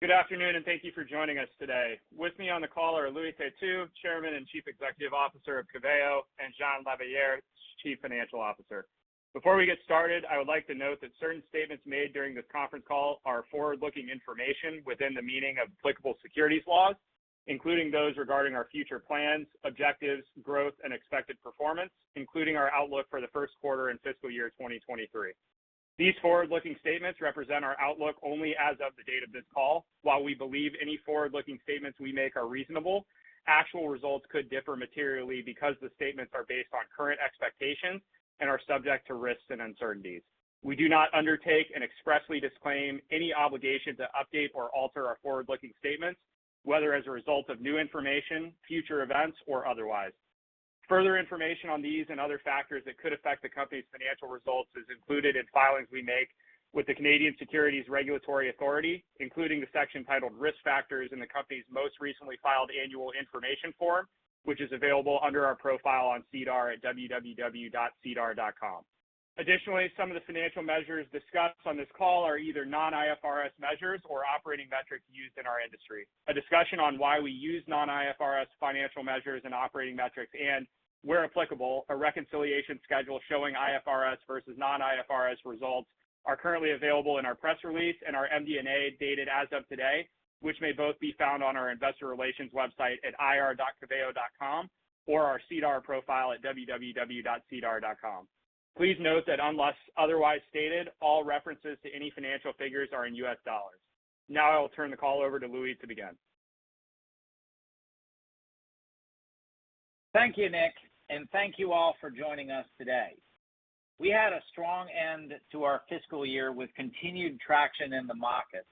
Good afternoon, and thank you for joining us today. With me on the call are Louis Têtu, Chairman and Chief Executive Officer of Coveo, and Jean Lavigueur, Chief Financial Officer. Before we get started, I would like to note that certain statements made during this conference call are forward-looking information within the meaning of applicable securities laws, including those regarding our future plans, objectives, growth, and expected performance, including our outlook for the first quarter and fiscal year 2023. These forward-looking statements represent our outlook only as of the date of this call. While we believe any forward-looking statements we make are reasonable, actual results could differ materially because the statements are based on current expectations and are subject to risks and uncertainties. We do not undertake and expressly disclaim any obligation to update or alter our forward-looking statements, whether as a result of new information, future events, or otherwise. Further information on these and other factors that could affect the company's financial results is included in filings we make with the Canadian Securities Administrators, including the section titled Risk Factors in the company's most recently filed annual information form, which is available under our profile on SEDAR at www.sedar.com. Additionally, some of the financial measures discussed on this call are either non-IFRS measures or operating metrics used in our industry. A discussion on why we use non-IFRS financial measures and operating metrics, and where applicable, a reconciliation schedule showing IFRS versus non-IFRS results are currently available in our press release and our MD&A dated as of today, which may both be found on our investor relations website at ir.coveo.com or our SEDAR profile at www.sedar.com. Please note that unless otherwise stated, all references to any financial figures are in US dollars. Now I will turn the call over to Louis to begin. Thank you, Nick, and thank you all for joining us today. We had a strong end to our fiscal year with continued traction in the market,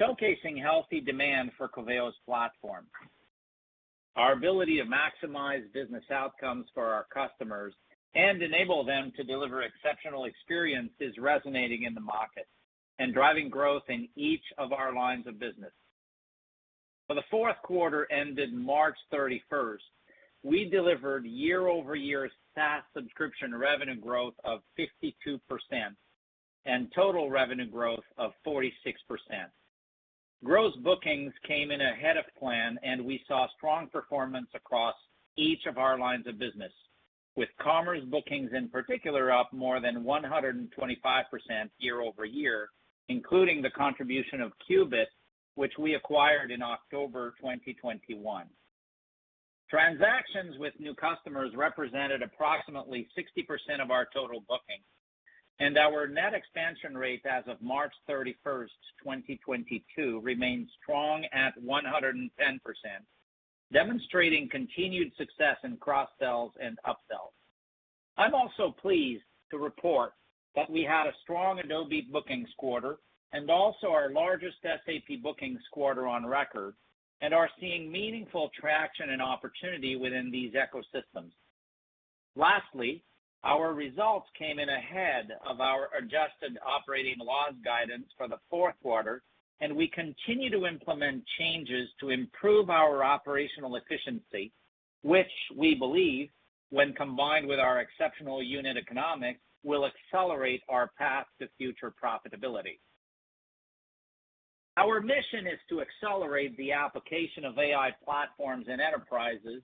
showcasing healthy demand for Coveo's platform. Our ability to maximize business outcomes for our customers and enable them to deliver exceptional experience is resonating in the market and driving growth in each of our lines of business. For the fourth quarter ended March 31st, we delivered year-over-year SaaS subscription revenue growth of 52% and total revenue growth of 46%. Gross bookings came in ahead of plan, and we saw strong performance across each of our lines of business, with commerce bookings in particular up more than 125% year-over-year, including the contribution of Qubit, which we acquired in October 2021. Transactions with new customers represented approximately 60% of our total bookings, and our net expansion rate as of March 31, 2022 remains strong at 110%, demonstrating continued success in cross-sells and up-sells. I'm also pleased to report that we had a strong Adobe bookings quarter and also our largest SAP bookings quarter on record and are seeing meaningful traction and opportunity within these ecosystems. Lastly, our results came in ahead of our adjusted operating loss guidance for the fourth quarter, and we continue to implement changes to improve our operational efficiency, which we believe, when combined with our exceptional unit economics, will accelerate our path to future profitability. Our mission is to accelerate the application of AI platforms and enterprises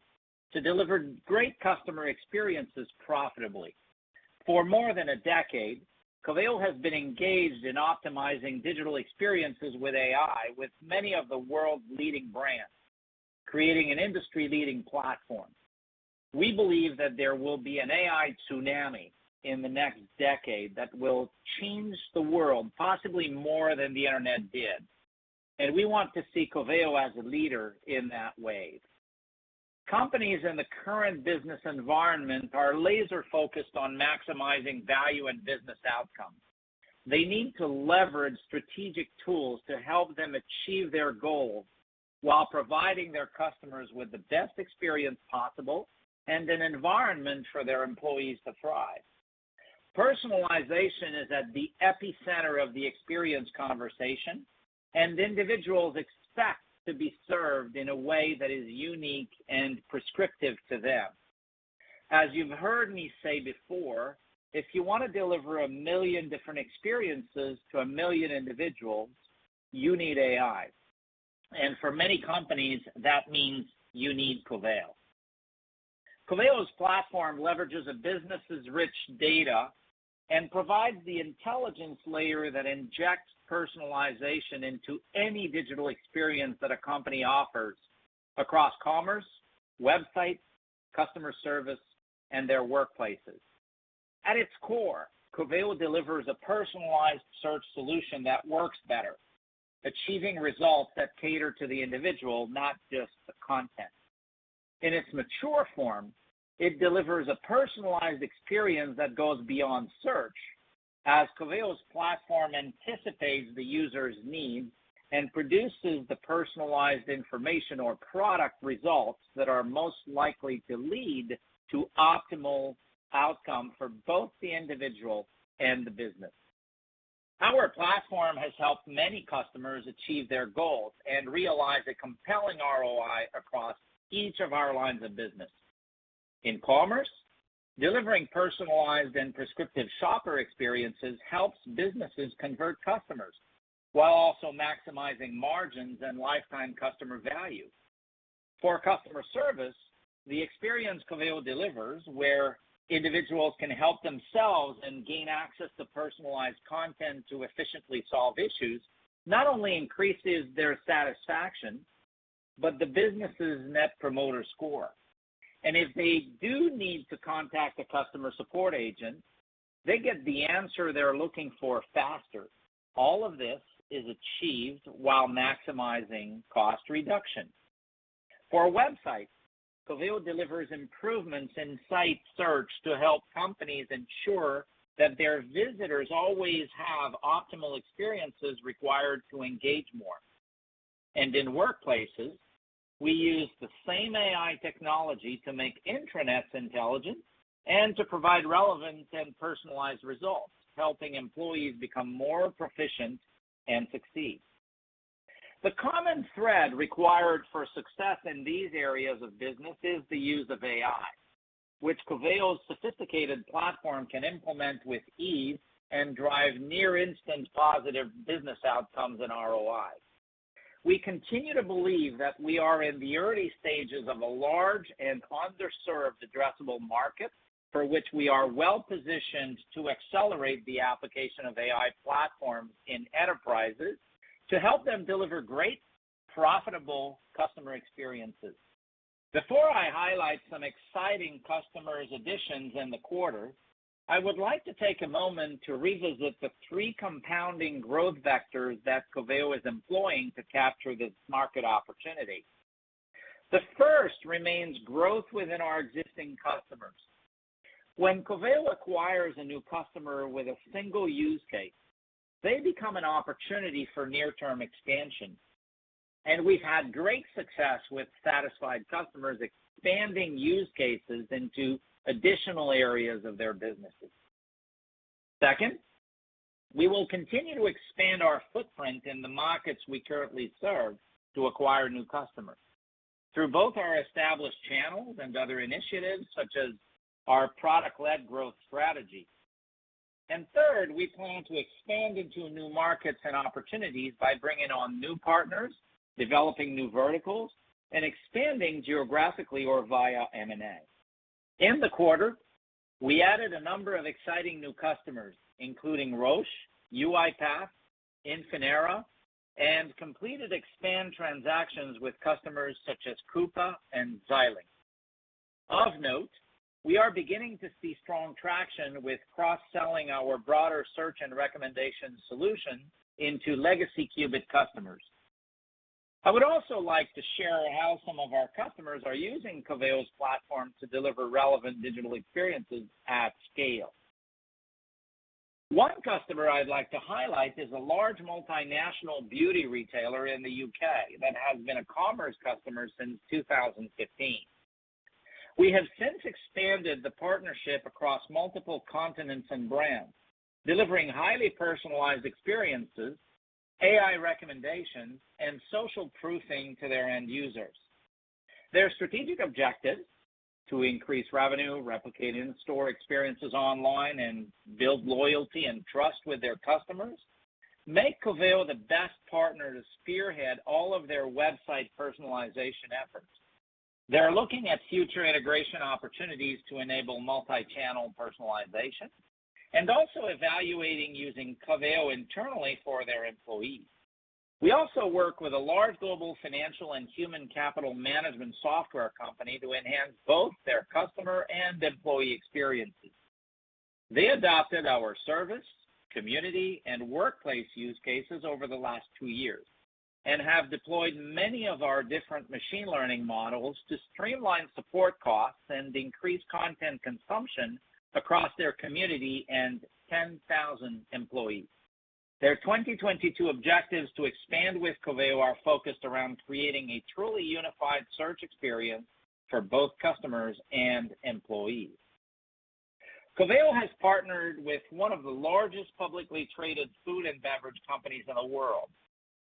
to deliver great customer experiences profitably. For more than a decade, Coveo has been engaged in optimizing digital experiences with AI with many of the world's leading brands, creating an industry-leading platform. We believe that there will be an AI tsunami in the next decade that will change the world, possibly more than the Internet did, and we want to see Coveo as a leader in that wave. Companies in the current business environment are laser-focused on maximizing value and business outcomes. They need to leverage strategic tools to help them achieve their goals while providing their customers with the best experience possible and an environment for their employees to thrive. Personalization is at the epicenter of the experience conversation, and individuals expect to be served in a way that is unique and prescriptive to them. As you've heard me say before, if you want to deliver a million different experiences to a million individuals, you need AI. For many companies, that means you need Coveo. Coveo's platform leverages a business' rich data and provides the intelligence layer that injects personalization into any digital experience that a company offers across commerce, websites, customer service, and their workplaces. At its core, Coveo delivers a personalized search solution that works better, achieving results that cater to the individual, not just the content. In its mature form, it delivers a personalized experience that goes beyond search as Coveo's platform anticipates the user's needs and produces the personalized information or product results that are most likely to lead to optimal outcome for both the individual and the business. Our platform has helped many customers achieve their goals and realize a compelling ROI across each of our lines of business. In commerce, delivering personalized and prescriptive shopper experiences helps businesses convert customers while also maximizing margins and lifetime customer value. For customer service, the experience Coveo delivers, where individuals can help themselves and gain access to personalized content to efficiently solve issues, not only increases their satisfaction, but the business' net promoter score. If they do need to contact a customer support agent, they get the answer they're looking for faster. All of this is achieved while maximizing cost reduction. For websites, Coveo delivers improvements in site search to help companies ensure that their visitors always have optimal experiences required to engage more. In workplaces, we use the same AI technology to make intranets intelligent and to provide relevant and personalized results, helping employees become more proficient and succeed. The common thread required for success in these areas of business is the use of AI, which Coveo's sophisticated platform can implement with ease and drive near-instant positive business outcomes and ROIs. We continue to believe that we are in the early stages of a large and underserved addressable market, for which we are well-positioned to accelerate the application of AI platforms in enterprises to help them deliver great, profitable customer experiences. Before I highlight some exciting customers' additions in the quarter, I would like to take a moment to revisit the three compounding growth vectors that Coveo is employing to capture this market opportunity. The first remains growth within our existing customers. When Coveo acquires a new customer with a single use case, they become an opportunity for near-term expansion, and we've had great success with satisfied customers expanding use cases into additional areas of their businesses. Second, we will continue to expand our footprint in the markets we currently serve to acquire new customers through both our established channels and other initiatives such as our product-led growth strategy. Third, we plan to expand into new markets and opportunities by bringing on new partners, developing new verticals, and expanding geographically or via M&A. In the quarter, we added a number of exciting new customers, including Roche, UiPath, Infinera, and completed expansion transactions with customers such as Coupa and Xilinx. Of note, we are beginning to see strong traction with cross-selling our broader search and recommendation solution into legacy Qubit customers. I would also like to share how some of our customers are using Coveo's platform to deliver relevant digital experiences at scale. One customer I'd like to highlight is a large multinational beauty retailer in the UK that has been a commerce customer since 2015. We have since expanded the partnership across multiple continents and brands, delivering highly personalized experiences, AI recommendations, and social proofing to their end users. Their strategic objectives, to increase revenue, replicate in-store experiences online, and build loyalty and trust with their customers, make Coveo the best partner to spearhead all of their website personalization efforts. They're looking at future integration opportunities to enable multi-channel personalization and also evaluating using Coveo internally for their employees. We also work with a large global financial and human capital management software company to enhance both their customer and employee experiences. They adopted our service, community, and workplace use cases over the last two years and have deployed many of our different machine learning models to streamline support costs and increase content consumption across their community and 10,000 employees. Their 2022 objectives to expand with Coveo are focused around creating a truly unified search experience for both customers and employees. Coveo has partnered with one of the largest publicly traded food and beverage companies in the world.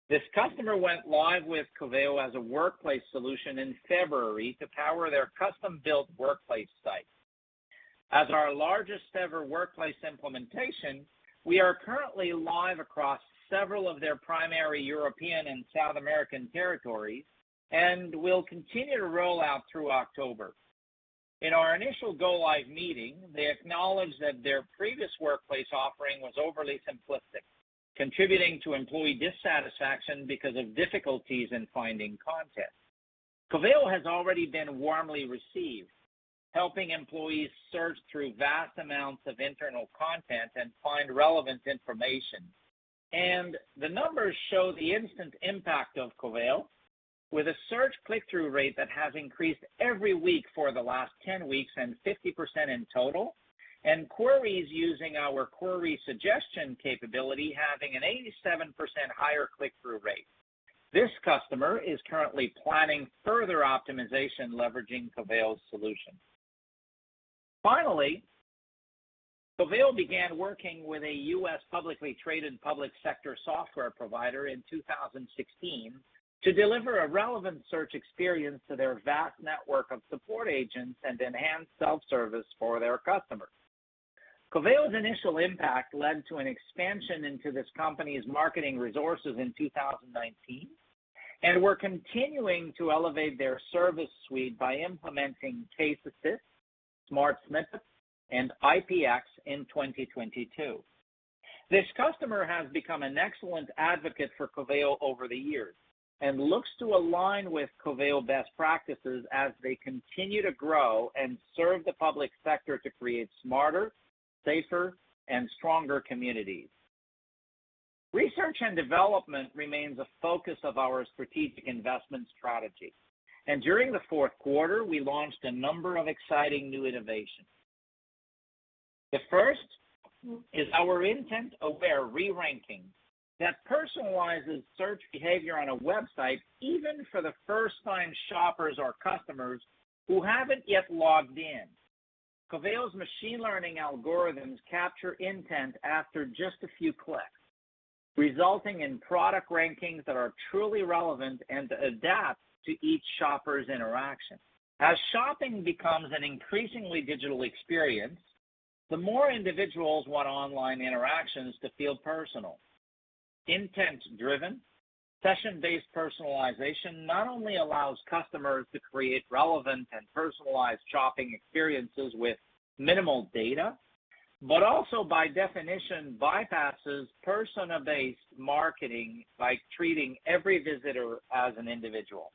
This customer went live with Coveo as a workplace solution in February to power their custom-built workplace site. As our largest-ever workplace implementation, we are currently live across several of their primary European and South American territories and will continue to roll out through October. In our initial go-live meeting, they acknowledged that their previous workplace offering was overly simplistic, contributing to employee dissatisfaction because of difficulties in finding content. Coveo has already been warmly received, helping employees search through vast amounts of internal content and find relevant information. The numbers show the instant impact of Coveo, with a search click-through rate that has increased every week for the last 10 weeks and 50% in total, and queries using our query suggestion capability having an 87% higher click-through rate. This customer is currently planning further optimization leveraging Coveo's solution. Finally, Coveo began working with a U.S. publicly traded public sector software provider in 2016 to deliver a relevant search experience to their vast network of support agents and enhance self-service for their customers. Coveo's initial impact led to an expansion into this company's marketing resources in 2019, and we're continuing to elevate their service suite by implementing Case Assist, Smart Snippets, and IPX in 2022. This customer has become an excellent advocate for Coveo over the years and looks to align with Coveo best practices as they continue to grow and serve the public sector to create smarter, safer, and stronger communities. Research and development remains a focus of our strategic investment strategy, and during the fourth quarter, we launched a number of exciting new innovations. The first is our intent-aware re-ranking that personalizes search behavior on a website even for the first-time shoppers or customers who haven't yet logged in. Coveo's machine learning algorithms capture intent after just a few clicks, resulting in product rankings that are truly relevant and adapt to each shopper's interaction. As shopping becomes an increasingly digital experience, the more individuals want online interactions to feel personal. Intent-driven, session-based personalization not only allows customers to create relevant and personalized shopping experiences with minimal data, but also, by definition, bypasses persona-based marketing by treating every visitor as an individual.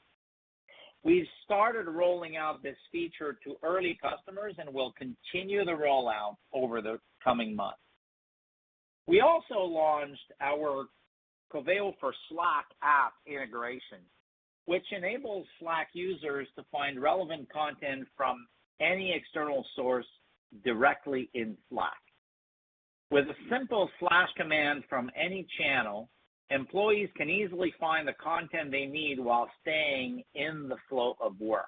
We started rolling out this feature to early customers and will continue the rollout over the coming months. We also launched our Coveo for Slack app integration, which enables Slack users to find relevant content from any external source directly in Slack. With a simple slash command from any channel, employees can easily find the content they need while staying in the flow of work.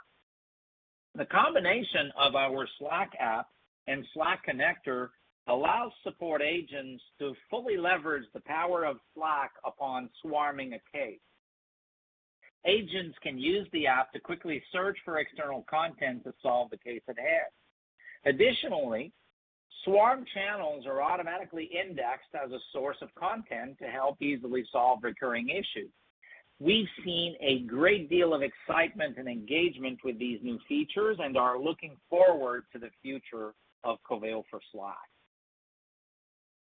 The combination of our Slack app and Slack connector allows support agents to fully leverage the power of Slack upon swarming a case. Agents can use the app to quickly search for external content to solve the case at hand. Additionally, swarm channels are automatically indexed as a source of content to help easily solve recurring issues. We've seen a great deal of excitement and engagement with these new features and are looking forward to the future of Coveo for Slack.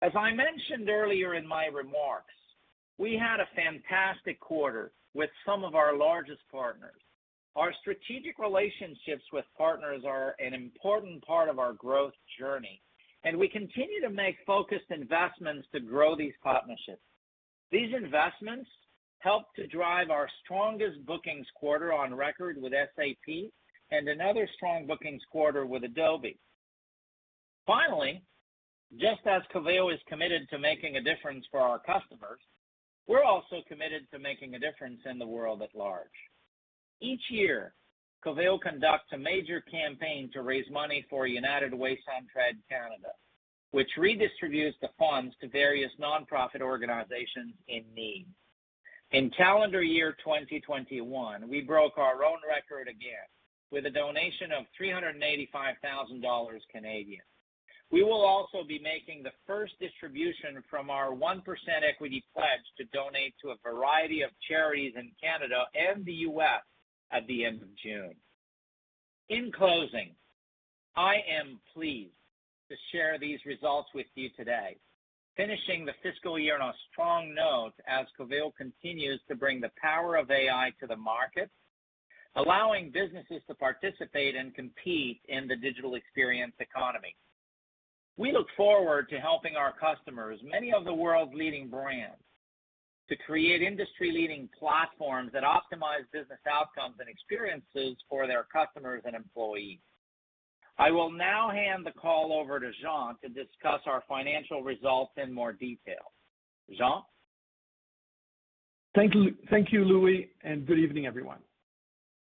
As I mentioned earlier in my remarks, we had a fantastic quarter with some of our largest partners. Our strategic relationships with partners are an important part of our growth journey, and we continue to make focused investments to grow these partnerships. These investments helped to drive our strongest bookings quarter on record with SAP and another strong bookings quarter with Adobe. Finally, just as Coveo is committed to making a difference for our customers, we're also committed to making a difference in the world at large. Each year, Coveo conducts a major campaign to raise money for United Way Centraide Canada, which redistributes the funds to various nonprofit organizations in need. In calendar year 2021, we broke our own record again with a donation of 385,000 Canadian dollars. We will also be making the first distribution from our 1% equity pledge to donate to a variety of charities in Canada and the U.S. at the end of June. In closing, I am pleased to share these results with you today, finishing the fiscal year on a strong note as Coveo continues to bring the power of AI to the market, allowing businesses to participate and compete in the digital experience economy. We look forward to helping our customers, many of the world's leading brands, to create industry-leading platforms that optimize business outcomes and experiences for their customers and employees. I will now hand the call over to Jean to discuss our financial results in more detail. Jean? Thank you, thank you, Louis, and good evening, everyone.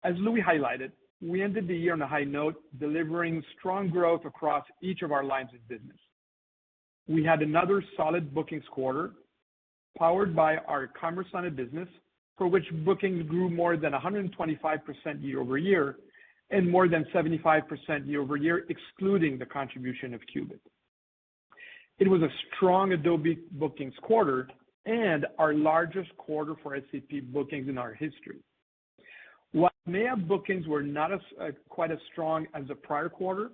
As Louis highlighted, we ended the year on a high note, delivering strong growth across each of our lines of business. We had another solid bookings quarter, powered by our commerce-funded business, for which bookings grew more than 125% year-over-year and more than 75% year-over-year, excluding the contribution of Qubit. It was a strong Adobe bookings quarter and our largest quarter for SAP bookings in our history. While EMEA bookings were not quite as strong as the prior quarter,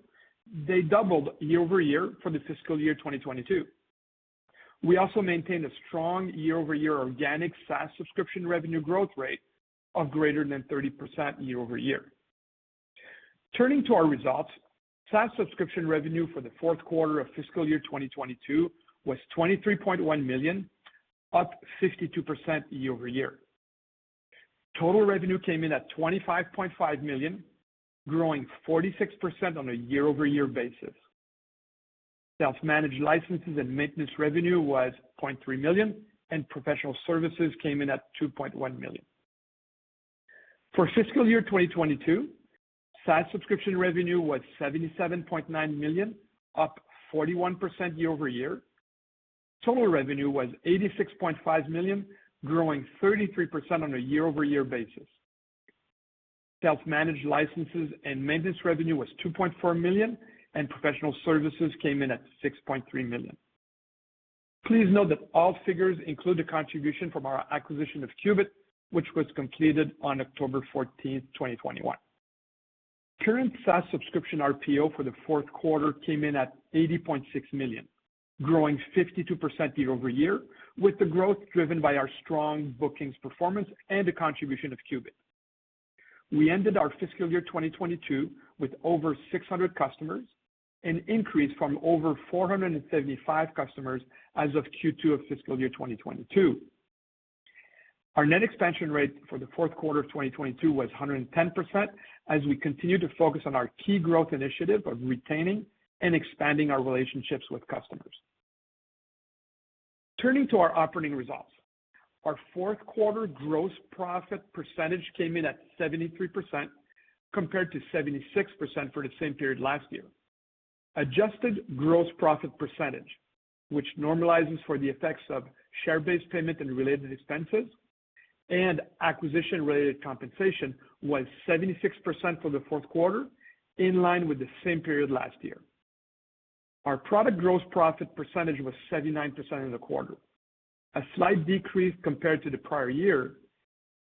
they doubled year-over-year for the fiscal year 2022. We also maintained a strong year-over-year organic SaaS subscription revenue growth rate of greater than 30% year-over-year. Turning to our results, SaaS subscription revenue for the fourth quarter of fiscal year 2022 was $23.1 million, up 52% year-over-year. Total revenue came in at $25.5 million, growing 46% on a year-over-year basis. Self-managed licenses and maintenance revenue was $0.3 million, and professional services came in at $2.1 million. For fiscal year 2022, SaaS subscription revenue was $77.9 million, up 41% year-over-year. Total revenue was $86.5 million, growing 33% on a year-over-year basis. Self-managed licenses and maintenance revenue was $2.4 million, and professional services came in at $6.3 million. Please note that all figures include the contribution from our acquisition of Qubit, which was completed on October 14, 2021. Current SaaS subscription RPO for the fourth quarter came in at $80.6 million, growing 52% year-over-year, with the growth driven by our strong bookings performance and the contribution of Qubit. We ended our fiscal year 2022 with over 600 customers, an increase from over 475 customers as of Q2 of fiscal year 2022. Our net expansion rate for the fourth quarter of 2022 was 110%, as we continue to focus on our key growth initiative of retaining and expanding our relationships with customers. Turning to our operating results. Our fourth quarter gross profit percentage came in at 73% compared to 76% for the same period last year. Adjusted gross profit percentage, which normalizes for the effects of share-based payment and related expenses and acquisition-related compensation, was 76% for the fourth quarter, in line with the same period last year. Our product gross profit percentage was 79% in the quarter, a slight decrease compared to the prior year,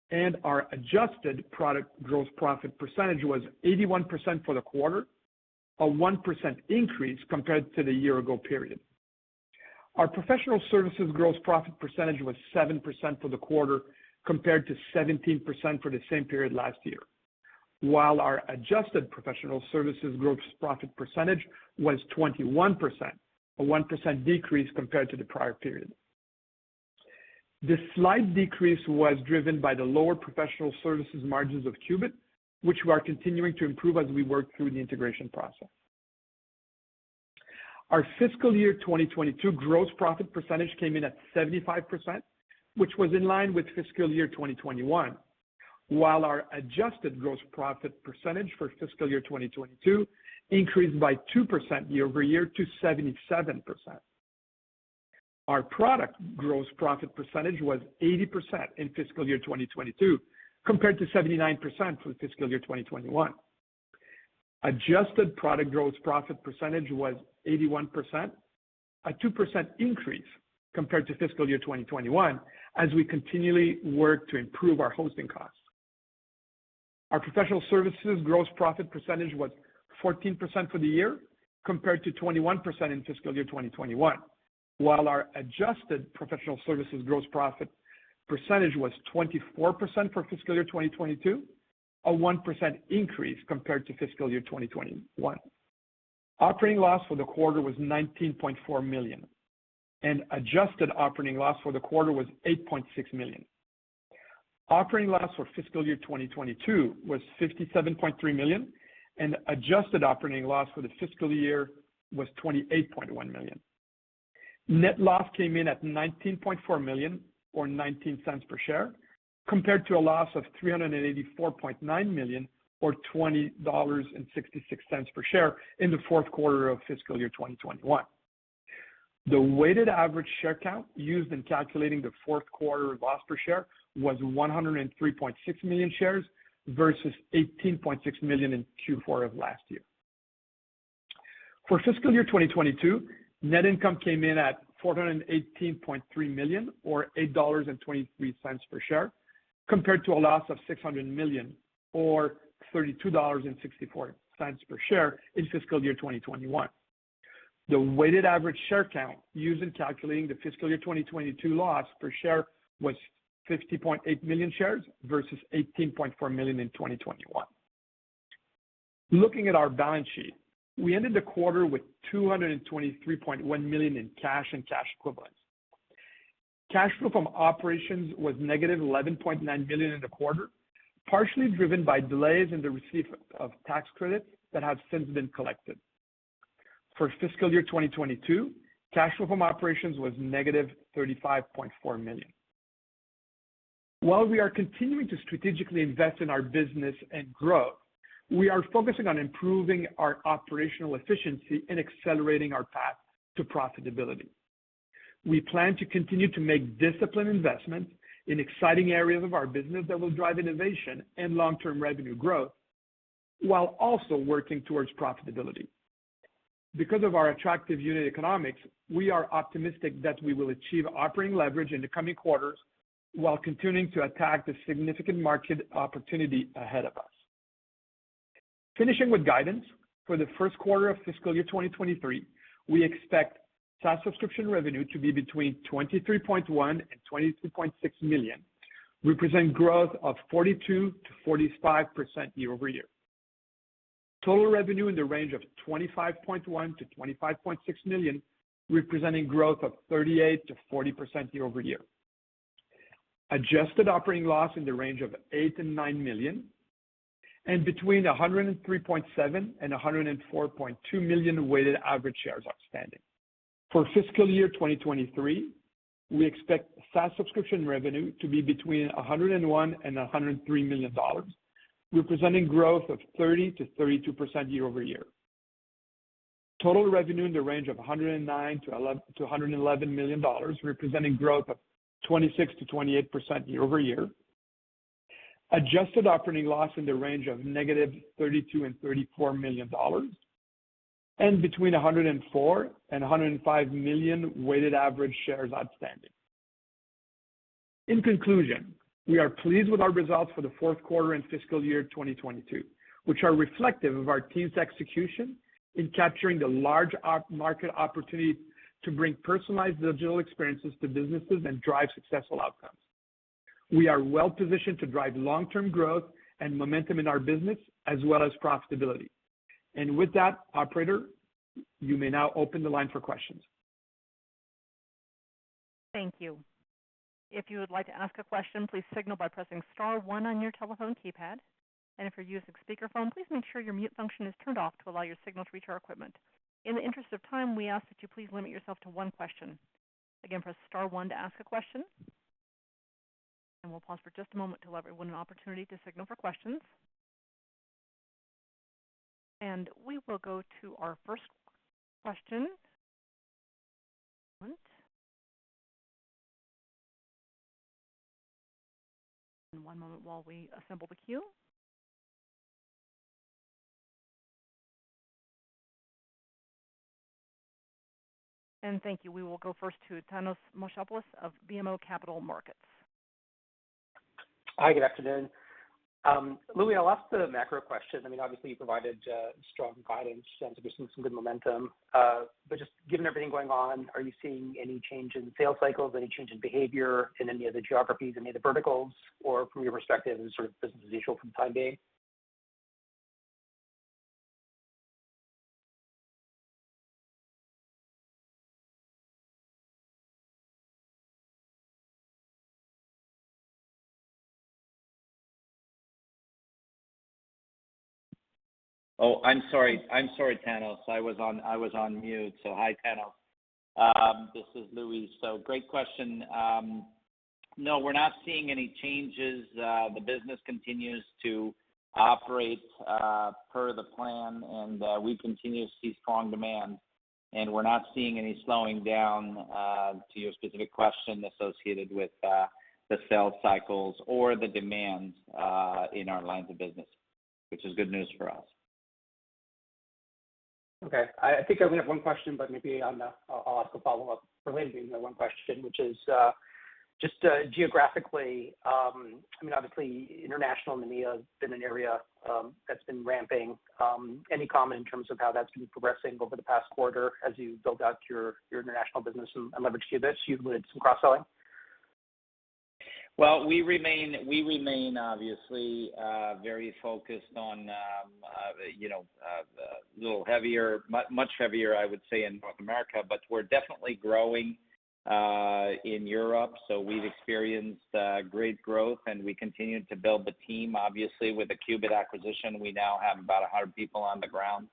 and our adjusted product gross profit percentage was 81% for the quarter, a 1% increase compared to the year ago period. Our professional services gross profit percentage was 7% for the quarter, compared to 17% for the same period last year. While our adjusted professional services gross profit percentage was 21%, a 1% decrease compared to the prior period. This slight decrease was driven by the lower professional services margins of Qubit, which we are continuing to improve as we work through the integration process. Our fiscal year 2022 gross profit percentage came in at 75%, which was in line with fiscal year 2021. While our adjusted gross profit percentage for fiscal year 2022 increased by 2% year over year to 77%. Our product gross profit percentage was 80% in fiscal year 2022, compared to 79% for the fiscal year 2021. Adjusted product gross profit percentage was 81%, a 2% increase compared to fiscal year 2021, as we continually work to improve our hosting costs. Our professional services gross profit percentage was 14% for the year, compared to 21% in fiscal year 2021. While our adjusted professional services gross profit percentage was 24% for fiscal year 2022, a 1% increase compared to fiscal year 2021. Operating loss for the quarter was $19.4 million, and adjusted operating loss for the quarter was $8.6 million. Operating loss for fiscal year 2022 was $57.3 million, and adjusted operating loss for the fiscal year was $28.1 million. Net loss came in at $19.4 million or $0.19 per share, compared to a loss of $384.9 million or $20.66 per share in the fourth quarter of fiscal year 2021. The weighted average share count used in calculating the fourth quarter loss per share was 103.6 million shares versus 18.6 million in Q4 of last year. For fiscal year 2022, net income came in at $418.3 million or $8.23 per share, compared to a loss of $600 million or $32.64 per share in fiscal year 2021. The weighted average share count used in calculating the fiscal year 2022 loss per share was 50.8 million shares versus 18.4 million in 2021. Looking at our balance sheet, we ended the quarter with $223.1 million in cash and cash equivalents. Cash flow from operations was negative $11.9 million in the quarter, partially driven by delays in the receipt of tax credits that have since been collected. For fiscal year 2022, cash flow from operations was negative $35.4 million. While we are continuing to strategically invest in our business and grow, we are focusing on improving our operational efficiency and accelerating our path to profitability. We plan to continue to make disciplined investments in exciting areas of our business that will drive innovation and long-term revenue growth while also working towards profitability. Because of our attractive unit economics, we are optimistic that we will achieve operating leverage in the coming quarters while continuing to attack the significant market opportunity ahead of us. Finishing with guidance, for the first quarter of fiscal year 2023, we expect SaaS subscription revenue to be between $23.1 million and $22.6 million, representing growth of 42% to 45% year over year. Total revenue in the range of $25.1 million to $25.6 million, representing growth of 38% to 40% year over year. Adjusted operating loss in the range of $8 million to $9 million. and 104.2 million weighted average shares outstanding. For fiscal year 2023, we expect SaaS subscription revenue to be between $101 and $103 million, representing growth of 30% to 32% year-over-year. Total revenue in the range of $109-$111 million, representing growth of 26% to 28% year-over-year. Adjusted operating loss in the range of negative $32 and $34 million. Between 104 and 105 million weighted average shares outstanding. In conclusion, we are pleased with our results for the fourth quarter and fiscal year 2022, which are reflective of our team's execution in capturing the large market opportunity to bring personalized digital experiences to businesses and drive successful outcomes. We are well-positioned to drive long-term growth and momentum in our business as well as profitability. With that, operator, you may now open the line for questions. Thank you. If you would like to ask a question, please signal by pressing Star one on your telephone keypad. If you're using speakerphone, please make sure your mute function is turned off to allow your signal to reach our equipment. In the interest of time, we ask that you please limit yourself to one question. Again, press Star one to ask a question. We'll pause for just a moment to allow everyone an opportunity to signal for questions. We will go to our first question. One moment. One moment while we assemble the queue. Thank you. We will go first to Thanos Moschopoulos of BMO Capital Markets. Hi, good afternoon. Louis, I'll ask the macro question. I mean, obviously, you provided strong guidance and so we're seeing some good momentum. Just given everything going on, are you seeing any change in sales cycles, any change in behavior in any of the geographies, any of the verticals? Or from your perspective is sort of business as usual from today? Oh, I'm sorry. I'm sorry, Thanos. I was on mute. Hi, Thanos. This is Louis. Great question. No, we're not seeing any changes. The business continues to operate per the plan, and we continue to see strong demand, and we're not seeing any slowing down to your specific question associated with the sales cycles or the demand in our lines of business, which is good news for us. I think I only have one question, but maybe I'll ask a follow-up relating to one question, which is just geographically, I mean, obviously international EMEA has been an area that's been ramping. Any comment in terms of how that's been progressing over the past quarter as you build out your international business and leverage Qubit, you've laid some cross-selling? Well, we remain obviously very focused on, you know, much heavier, I would say, in North America, but we're definitely growing in Europe. We've experienced great growth, and we continue to build the team. Obviously, with the Qubit acquisition, we now have about 100 people on the ground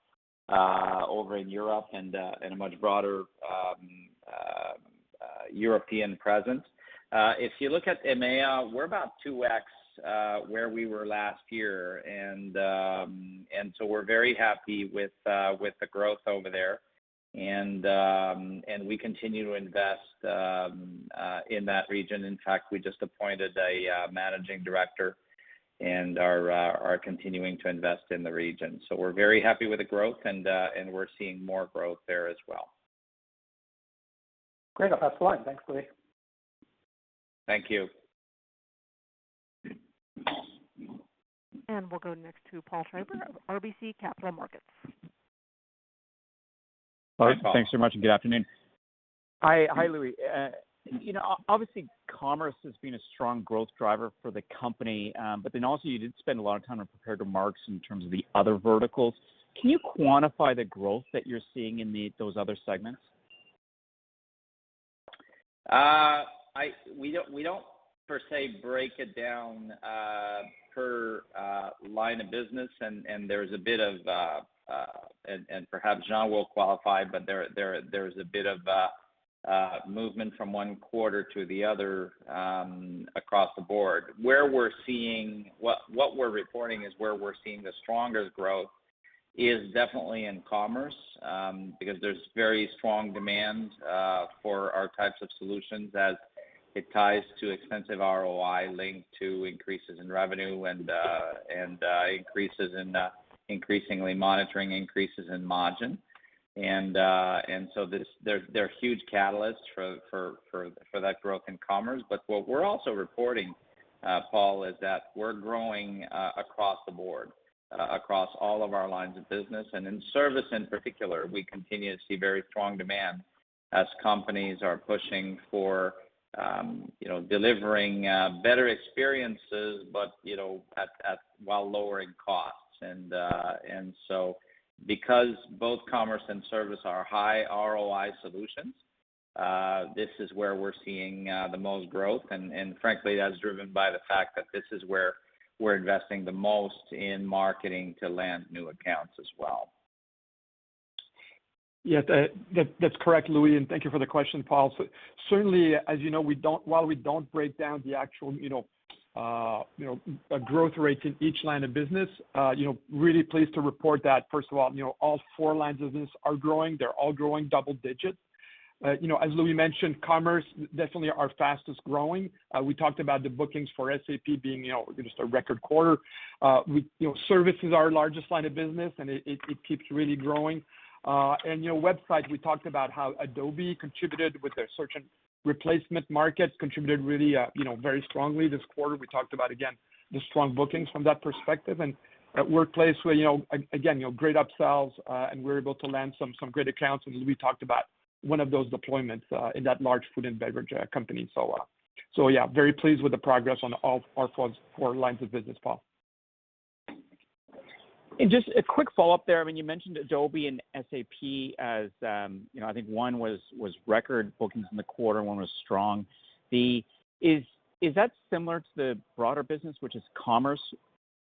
over in Europe and a much broader European presence. If you look at EMEA, we're about 2x where we were last year. We're very happy with the growth over there. We continue to invest in that region. In fact, we just appointed a managing director and are continuing to invest in the region. We're very happy with the growth and we're seeing more growth there as well. Great. I'll pass the line. Thanks, Louis. Thank you. We'll go next to Paul Treiber of RBC Capital Markets. Hi, Paul. Thanks very much. Good afternoon. Hi. Hi, Louis. You know, obviously, commerce has been a strong growth driver for the company. Also you did spend a lot of time on prepared remarks in terms of the other verticals. Can you quantify the growth that you're seeing in those other segments? We don't per se break it down per line of business, and perhaps Jean will qualify, but there's a bit of movement from one quarter to the other across the board. What we're reporting is where we're seeing the strongest growth is definitely in commerce because there's very strong demand for our types of solutions as it ties to extensive ROI linked to increases in revenue and increases in margin. There are huge catalysts for that growth in commerce. But what we're also reporting, Paul, is that we're growing across the board, across all of our lines of business. In service in particular, we continue to see very strong demand as companies are pushing for, you know, delivering better experiences, but, you know, at while lowering costs. Because both commerce and service are high ROI solutions, this is where we're seeing the most growth. Frankly, that's driven by the fact that this is where we're investing the most in marketing to land new accounts as well. That's correct, Louis, and thank you for the question, Paul. Certainly, as you know, while we don't break down the actual, you know, growth rates in each line of business, you know, really pleased to report that first of all, you know, all four lines of business are growing. They're all growing double digits. As Louis mentioned, commerce definitely our fastest-growing. We talked about the bookings for SAP being, you know, just a record quarter. Service is our largest line of business, and it keeps really growing. Website, we talked about how Adobe contributed with their search. Replacement markets, contributed really, you know, very strongly this quarter. We talked about, again, the strong bookings from that perspective. At Workplace, where you know again you know great upsells, and we're able to land some great accounts. As we talked about one of those deployments in that large food and beverage company. Yeah, very pleased with the progress on all our four lines of business, Paul. Just a quick follow-up there. I mean, you mentioned Adobe and SAP as, you know, I think one was record bookings in the quarter and one was strong. Is that similar to the broader business which is commerce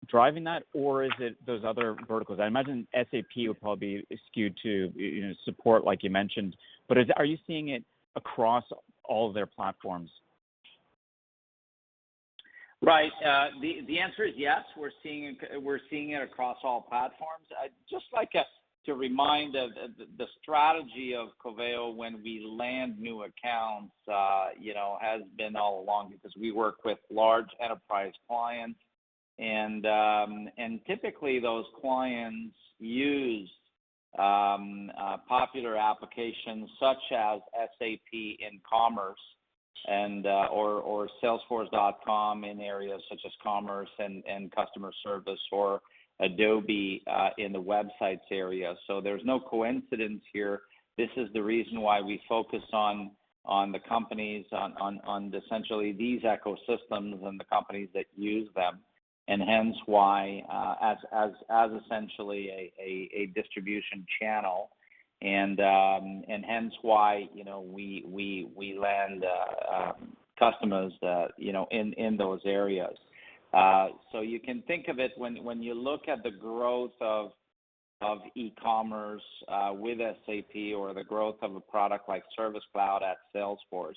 driving that, or is it those other verticals? I imagine SAP would probably be skewed to, you know, support like you mentioned, but are you seeing it across all their platforms? Right. The answer is yes, we're seeing it across all platforms. I'd just like to remind of the strategy of Coveo when we land new accounts, you know, has been all along because we work with large enterprise clients and typically those clients use popular applications such as SAP Commerce and or Salesforce.com in areas such as commerce and customer service or Adobe in the websites area. There's no coincidence here. This is the reason why we focus on essentially these ecosystems and the companies that use them, and hence why as essentially a distribution channel and hence why you know we land customers you know in those areas. You can think of it when you look at the growth of e-commerce with SAP or the growth of a product like Service Cloud at Salesforce.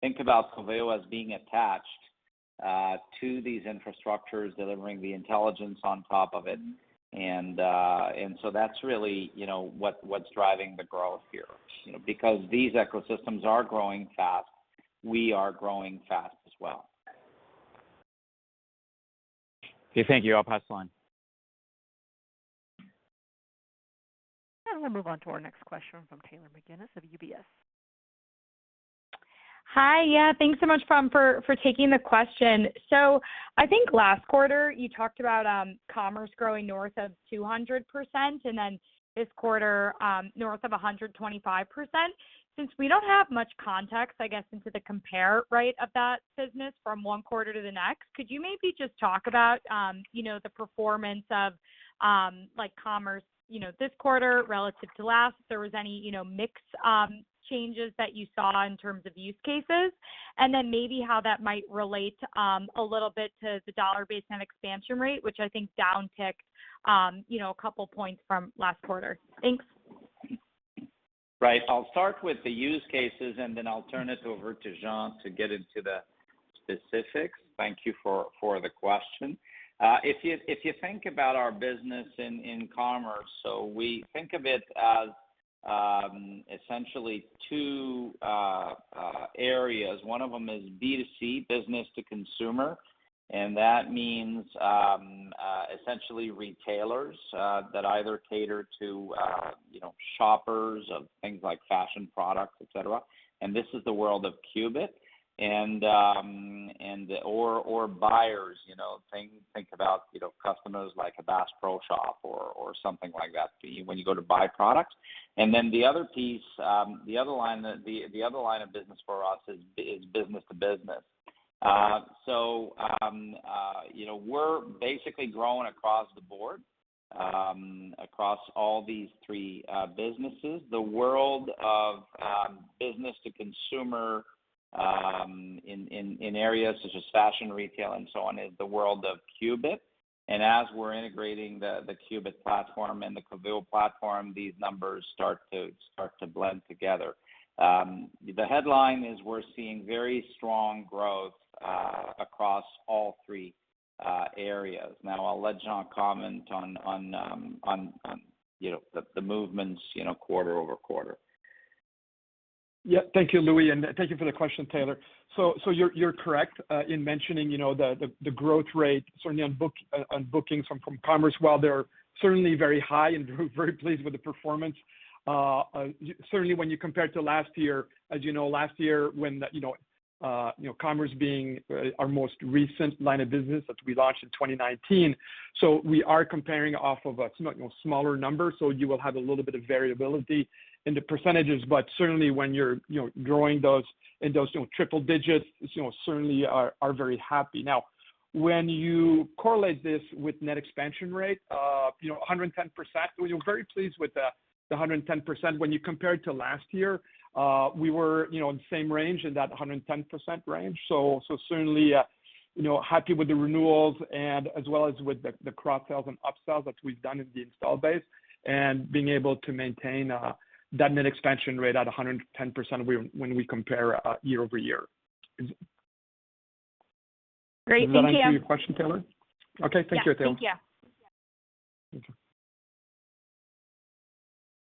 Think about Coveo as being attached to these infrastructures, delivering the intelligence on top of it. That's really, you know, what's driving the growth here. You know, because these ecosystems are growing fast, we are growing fast as well. Okay, thank you. I'll pass the line. We'll move on to our next question from Taylor McGinnis of UBS. Hi. Yeah, thanks so much, Pam, for taking the question. I think last quarter you talked about commerce growing north of 200% and then this quarter north of 125%. Since we don't have much context, I guess, into the compare rate of that business from one quarter to the next, could you maybe just talk about you know, the performance of like commerce, you know, this quarter relative to last? If there was any, you know, mix changes that you saw in terms of use cases? Then maybe how that might relate a little bit to the dollar-based net expansion rate, which I think downticked you know, a couple of points from last quarter. Thanks. Right. I'll start with the use cases, and then I'll turn it over to Jean to get into the specifics. Thank you for the question. If you think about our business in commerce, so we think of it as essentially two areas. One of them is B2C, business to consumer, and that means essentially retailers that either cater to you know shoppers of things like fashion products, etc. This is the world of Qubit and or buyers you know think about you know customers like a Bass Pro Shops or something like that, when you go to buy products. The other piece, the other line of business for us is business to business. You know, we're basically growing across the board, across all these three businesses. The world of business to consumer in areas such as fashion, retail, and so on, is the world of Qubit. As we're integrating the Qubit platform and the Coveo platform, these numbers start to blend together. The headline is we're seeing very strong growth across all three areas. Now, I'll let Jean comment on you know, the movements, you know, quarter-over-quarter. Yeah. Thank you, Louis. Thank you for the question, Taylor. You're correct in mentioning, you know, the growth rate certainly on bookings from commerce. While they're certainly very high and we're very pleased with the performance, certainly when you compare to last year, as you know, last year when the, you know, commerce being our most recent line of business that we launched in 2019. We are comparing off of a, you know, smaller number. You will have a little bit of variability in the percentages. Certainly when you're, you know, growing those in those, you know, triple digits, you know, certainly are very happy. Now, when you correlate this with net expansion rate, you know, 110%, we're very pleased with the 110%. When you compare it to last year, we were, you know, in the same range, in that 110% range. Certainly, you know, happy with the renewals and as well as with the cross sells and upsells that we've done in the installed base, and being able to maintain that net expansion rate at 110% when we compare year-over-year. Great. Thank you. Does that answer your question, Taylor? Okay. Thank you, Taylor. Yeah. Thank you.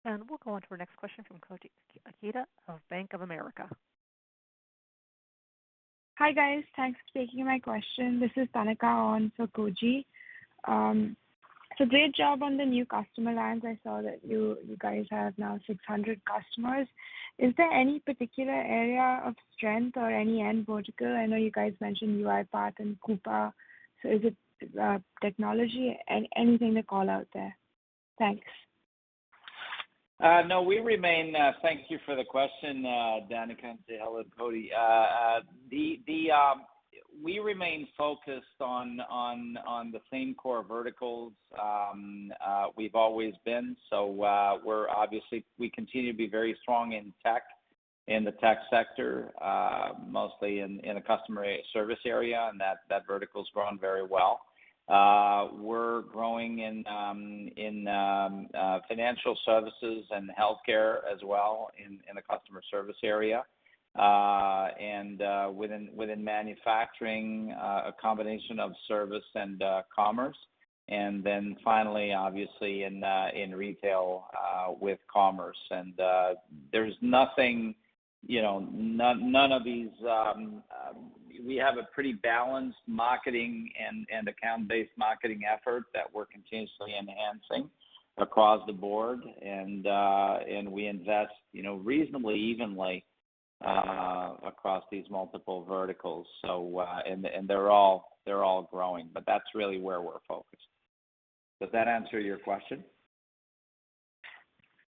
Thank you. We'll go on to our next question from Koji Ikeda of Bank of America. Hi, guys. Thanks for taking my question. This is Danika on for Koji. Great job on the new customer lands. I saw that you guys have now 600 customers. Is there any particular area of strength or any end vertical? I know you guys mentioned UiPath and Coupa. Is it technology? Anything to call out there? Thanks. No. Thank you for the question, Danika, and say hello to Koji. We remain focused on the same core verticals we've always been. We're obviously very strong in tech, in the tech sector, mostly in a customer service area, and that vertical's grown very well. We're growing in financial services and healthcare as well in the customer service area. Within manufacturing, a combination of service and commerce. Finally, obviously in retail with commerce. There's nothing, you know, none of these. We have a pretty balanced marketing and account-based marketing effort that we're continuously enhancing across the board. We invest, you know, reasonably evenly across these multiple verticals. They're all growing. That's really where we're focused. Does that answer your question?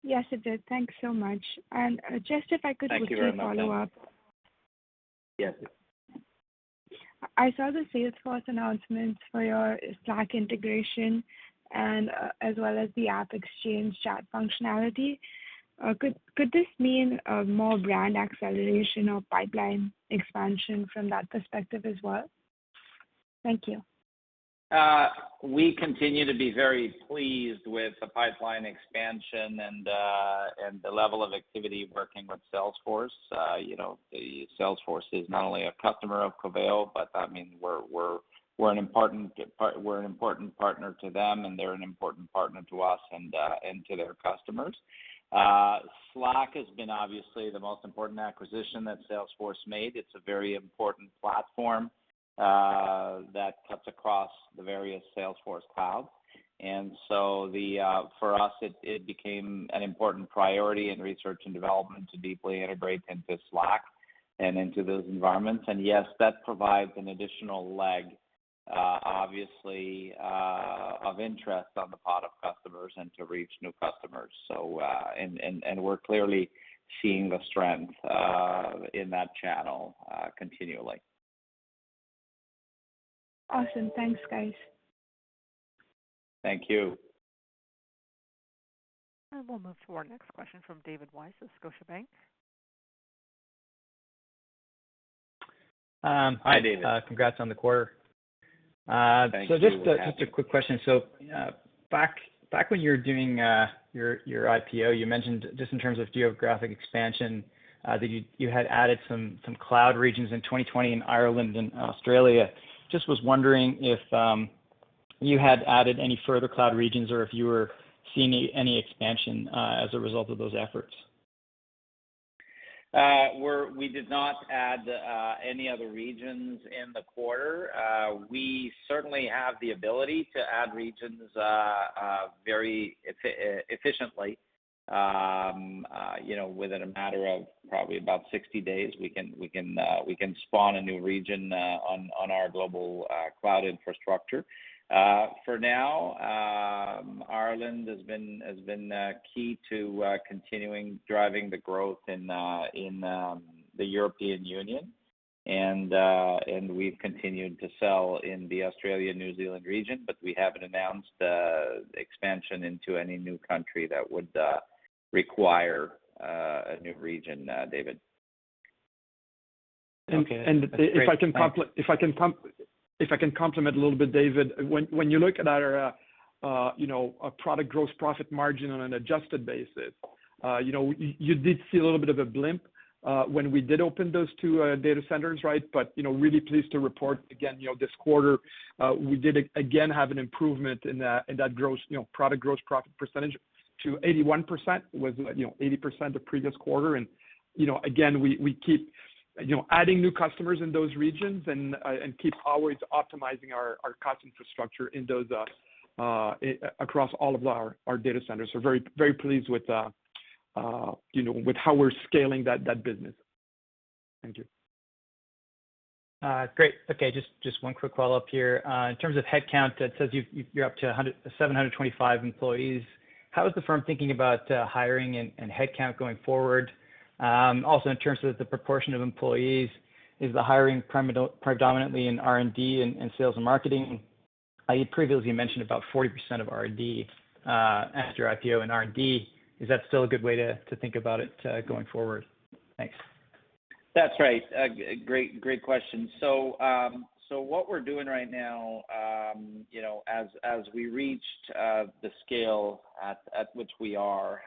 Yes, it did. Thanks so much. Just if I could. Thank you very much, Danika. quickly follow up. Yes. I saw the Salesforce announcements for your Slack integration and, as well as the AppExchange Chat functionality. Could this mean more brand acceleration or pipeline expansion from that perspective as well? Thank you. We continue to be very pleased with the pipeline expansion and the level of activity working with Salesforce. You know, Salesforce is not only a customer of Coveo, but I mean, we're an important partner to them, and they're an important partner to us and to their customers. Slack has been obviously the most important acquisition that Salesforce made. It's a very important platform that cuts across the various Salesforce clouds. For us, it became an important priority in research and development to deeply integrate into Slack and into those environments. Yes, that provides an additional leg of interest on the part of customers and to reach new customers. We're clearly seeing the strength in that channel continually. Awesome. Thanks, guys. Thank you. We'll move to our next question from David Weiss of Scotiabank. Hi, David. Hi. Congrats on the quarter. Thank you. We're happy. Just a quick question. Back when you were doing your IPO, you mentioned just in terms of geographic expansion that you had added some cloud regions in 2020 in Ireland and Australia. Just was wondering if you had added any further cloud regions or if you were seeing any expansion as a result of those efforts. We did not add any other regions in the quarter. We certainly have the ability to add regions very efficiently. You know, within a matter of probably about 60 days, we can spawn a new region on our global cloud infrastructure. For now, Ireland has been key to continuing to drive the growth in the European Union. We've continued to sell in the Australia-New Zealand region. We haven't announced the expansion into any new country that would require a new region, David. Okay. That's great. Thanks. If I can complement a little bit, David. When you look at our you know product gross profit margin on an adjusted basis, you know, you did see a little bit of a blip when we did open those two data centers, right? You know, really pleased to report again, you know, this quarter we did again have an improvement in that gross you know product gross profit percentage to 81%. Was you know 80% the previous quarter. You know, again, we keep you know adding new customers in those regions and keep always optimizing our cost infrastructure across all of our data centers. Very, very pleased with, you know, with how we're scaling that business. Thank you. Great. Okay, just one quick follow-up here. In terms of headcount, it says you're up to 725 employees. How is the firm thinking about hiring and headcount going forward? Also in terms of the proportion of employees, is the hiring predominantly in R&D and sales and marketing? I previously mentioned about 40% of R&D after IPO and R&D. Is that still a good way to think about it, going forward? Thanks. That's right. A great question. What we're doing right now, you know, as we reached the scale at which we are,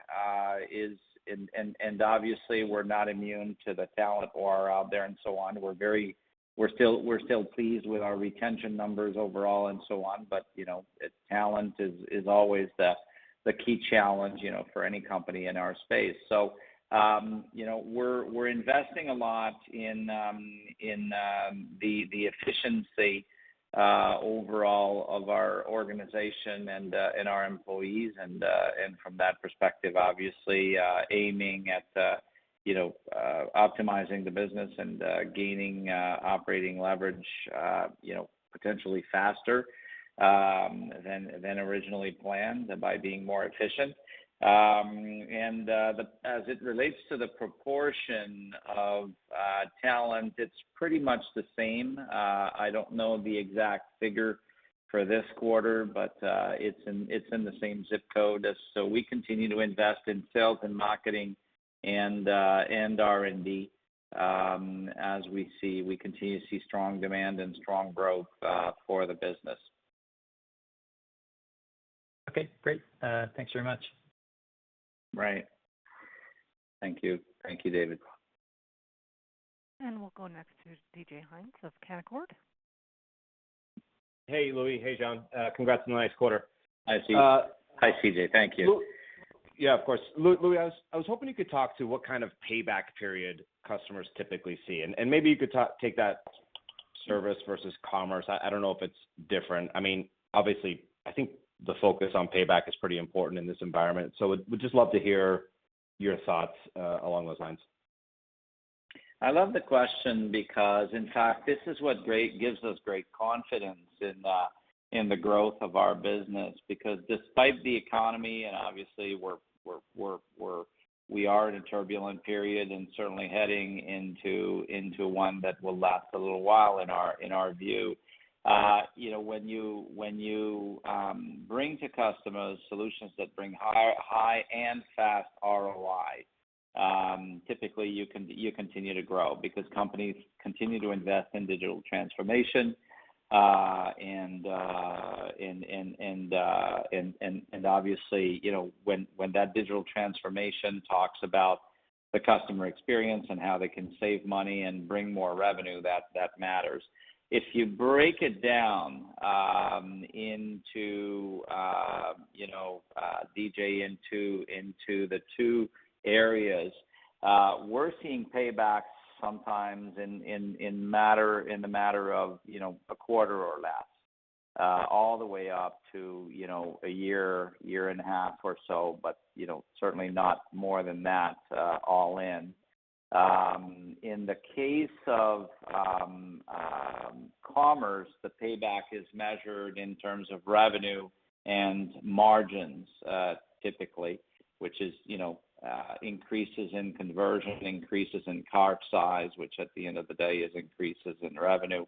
obviously we're not immune to the talent war out there and so on. We're still pleased with our retention numbers overall and so on. Talent is always the key challenge, you know, for any company in our space. We're investing a lot in the efficiency overall of our organization and our employees, and from that perspective, obviously aiming at, you know, optimizing the business and gaining operating leverage, you know, potentially faster than originally planned by being more efficient. As it relates to the proportion of talent, it's pretty much the same. I don't know the exact figure for this quarter, but it's in the same zip code. We continue to invest in sales and marketing and R&D, as we continue to see strong demand and strong growth for the business. Okay, great. Thanks very much. Right. Thank you. Thank you, David. We'll go next to DJ Hynes of Canaccord. Hey, Louis. Hey, Jean. Congrats on the nice quarter. Hi, DJ. Uh- Hi, DJ. Thank you. Yeah, of course. Louis, I was hoping you could talk to what kind of payback period customers typically see, and maybe you could take that service versus commerce. I don't know if it's different. I mean, obviously, I think the focus on payback is pretty important in this environment. Would just love to hear your thoughts along those lines. I love the question because in fact, this is what gives us great confidence in the growth of our business. Because despite the economy and obviously we are in a turbulent period and certainly heading into one that will last a little while in our view. You know, when you bring to customers solutions that bring high and fast ROI, typically you continue to grow because companies continue to invest in digital transformation. Obviously, you know, when that digital transformation talks about the customer experience and how they can save money and bring more revenue, that matters. If you break it down, you know, DJ, into the two areas, we're seeing paybacks sometimes in the matter of, you know, a quarter or less, all the way up to, you know, a year and a half or so. You know, certainly not more than that, all in. In the case of commerce, the payback is measured in terms of revenue and margins, typically, which is, you know, increases in conversion, increases in cart size, which at the end of the day is increases in revenue.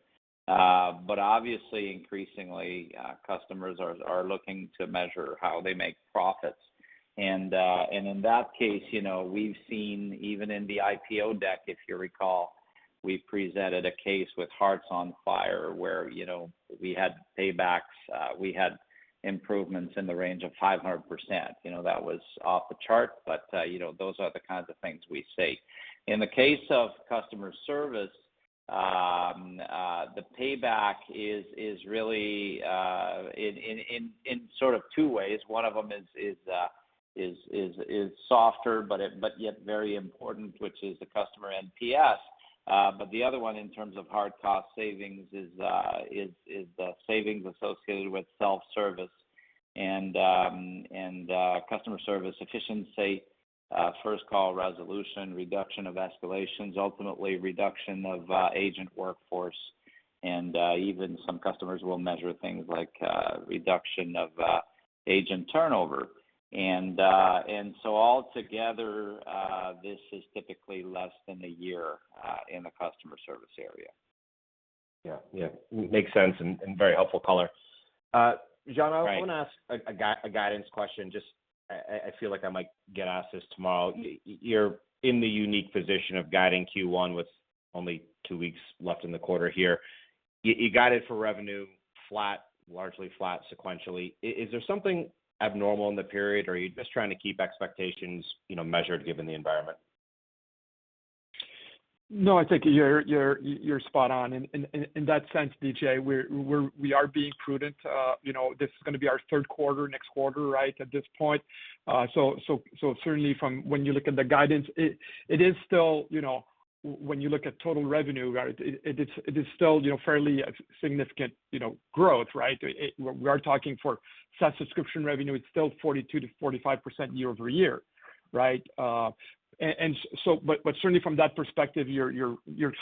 Obviously increasingly, customers are looking to measure how they make profits. In that case, you know, we've seen even in the IPO deck, if you recall, we presented a case with Hearts On Fire where, you know, we had paybacks, we had improvements in the range of 500%. You know, that was off the chart, but, you know, those are the kinds of things we see. In the case of customer service, the payback is really in sort of two ways. One of them is softer, but yet very important, which is the customer NPS. The other one in terms of hard cost savings is the savings associated with self-service and customer service efficiency, first call resolution, reduction of escalations, ultimately reduction of agent workforce. Even some customers will measure things like reduction of agent turnover. All together, this is typically less than a year in the customer service area. Yeah, yeah. Makes sense and very helpful color. Jean Right. I want to ask a guidance question, just I feel like I might get asked this tomorrow. You're in the unique position of guiding Q1 with only two weeks left in the quarter here. You guide it for revenue flat, largely flat sequentially. Is there something abnormal in the period or are you just trying to keep expectations, you know, measured given the environment? No, I think you're spot on in that sense, DJ. We are being prudent. You know, this is gonna be our third quarter, next quarter, right? At this point. So certainly from when you look at the guidance, it is still, you know, when you look at total revenue, it is still, you know, fairly significant, you know, growth, right? We are talking SaaS subscription revenue, it's still 42% to 45% year-over-year, right? But certainly from that perspective, you're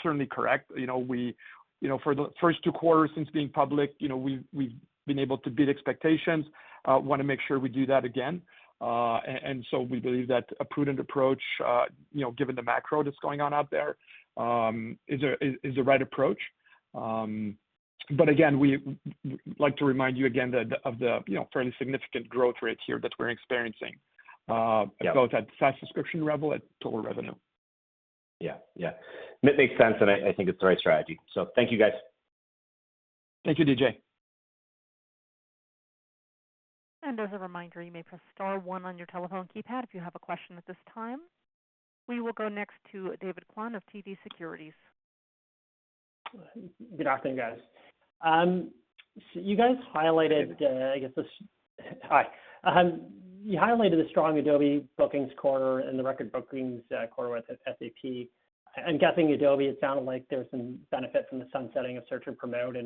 certainly correct. You know, we, you know, for the first two quarters since being public, you know, we've been able to beat expectations. Wanna make sure we do that again. We believe that a prudent approach, you know, given the macro that's going on out there, is the right approach. Again, we like to remind you again of the, you know, fairly significant growth rates here that we're experiencing, both at SaaS subscription level, at total revenue. Yeah. Yeah. It makes sense, and I think it's the right strategy. Thank you, guys. Thank you, DJ. As a reminder, you may press Star one on your telephone keypad if you have a question at this time. We will go next to David Kwan of TD Securities. Good afternoon, guys. You highlighted the strong Adobe bookings quarter and the record bookings quarter with SAP. I'm guessing Adobe, it sounded like there was some benefit from the sunsetting of Search and Promote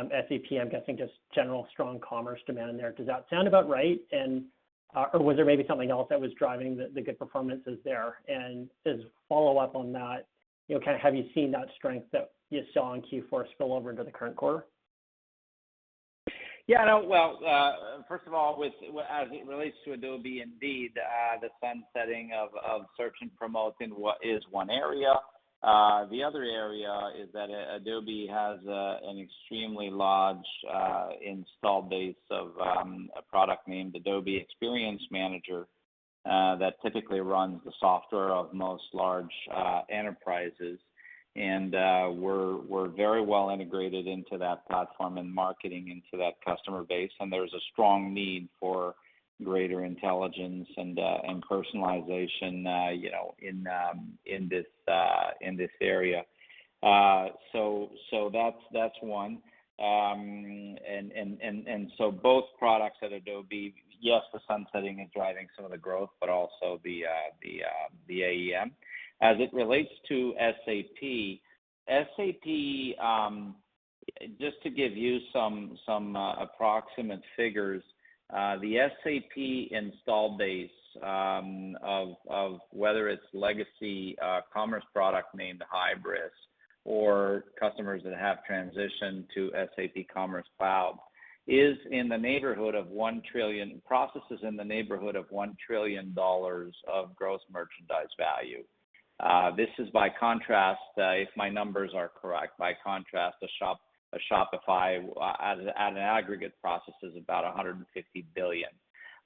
and, SAP, I'm guessing just general strong commerce demand there. Does that sound about right? Or was there maybe something else that was driving the good performances there? As a follow-up on that, you know, kinda, have you seen that strength that you saw in Q4 spill over into the current quarter? Yeah, no. Well, first of all, as it relates to Adobe, indeed, the sunsetting of Search and Promote in what is one area. The other area is that Adobe has an extremely large installed base of a product named Adobe Experience Manager that typically runs the software of most large enterprises. We're very well integrated into that platform and marketing into that customer base, and there's a strong need for greater intelligence and personalization, you know, in this area. So that's one. And so both products at Adobe, yes, the sunsetting is driving some of the growth, but also the AEM. As it relates to SAP, just to give you some approximate figures, the SAP install base of whether it's legacy commerce product named Hybris or customers that have transitioned to SAP Commerce Cloud processes in the neighborhood of $1 trillion of gross merchandise value. This is by contrast, if my numbers are correct, by contrast to Shopify, at an aggregate processes about $150 billion.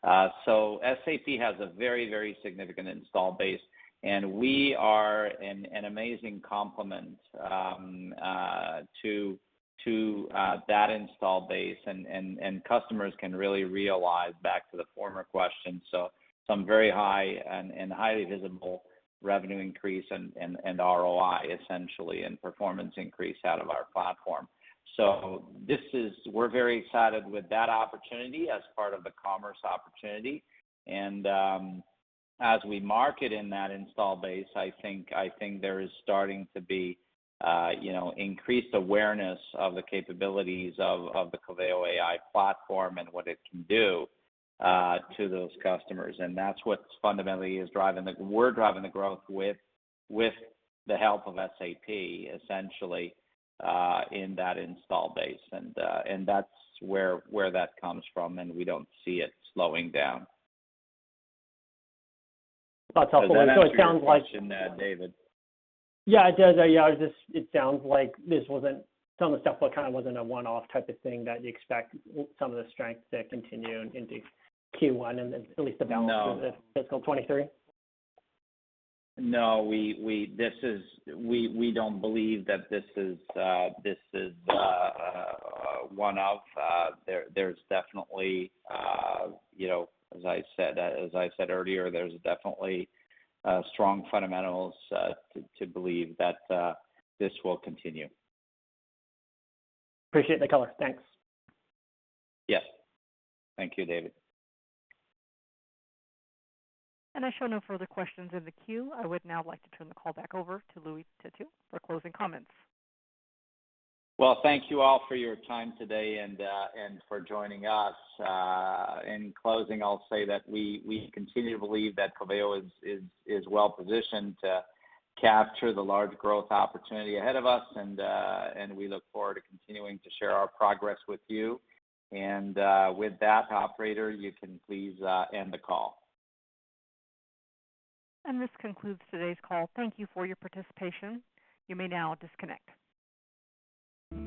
SAP has a very significant install base, and we are an amazing complement to that install base, and customers can really realize back to the former question. Some very high and highly visible revenue increase and ROI, essentially, and performance increase out of our platform. We're very excited with that opportunity as part of the commerce opportunity. As we market in that install base, I think there is starting to be, you know, increased awareness of the capabilities of the Coveo AI platform and what it can do to those customers. That's what fundamentally is driving the growth with the help of SAP, essentially, in that install base. And that's where that comes from, and we don't see it slowing down. That's helpful. It sounds like- Does that answer your question there, David? Yeah, it does. Yeah, just, it sounds like this wasn't some of the stuff that kind of wasn't a one-off type of thing that you expect some of the strengths to continue into Q1 and then at least the balance- No. of the fiscal 2023. No, we don't believe that this is a one-off. There's definitely, you know, as I said earlier, strong fundamentals to believe that this will continue. Appreciate the color. Thanks. Yes. Thank you, David. I show no further questions in the queue. I would now like to turn the call back over to Louis Têtu for closing comments. Well, thank you all for your time today and for joining us. In closing, I'll say that we continue to believe that Coveo is well positioned to capture the large growth opportunity ahead of us, and we look forward to continuing to share our progress with you. With that, operator, you can please end the call. This concludes today's call. Thank you for your participation. You may now disconnect.